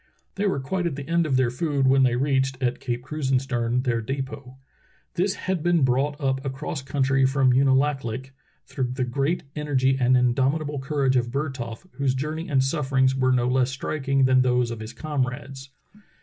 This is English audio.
They were quite at the end of their food when they reached, at Cape Krusenstern, their depot. This had been brought up across country from Unalaklik through the great energy and indomitable courage of Bertholf, whose jour ney and sufferings were no less striking than those of his comrades.